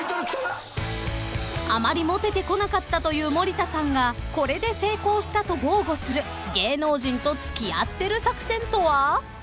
［あまりモテてこなかったという森田さんがこれで成功したと豪語する芸能人と付き合ってる作戦とは？］